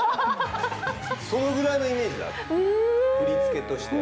そのぐらいのイメージなの、振り付けとしては。